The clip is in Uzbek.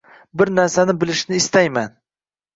Bir narsani bilishni istayman